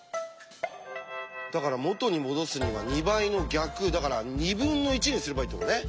だから元にもどすには２倍の逆だから２分の１にすればいいってことね。